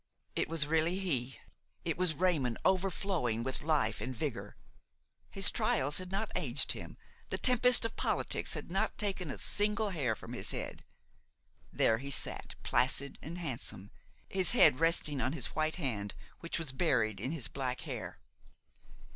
It was really he, it was Raymon overflowing with life and vigor; his trials had not aged him, the tempests of politics had not taken a single hair from his head; there he sat, placid and handsome, his head resting on his white hand which was buried in his black hair.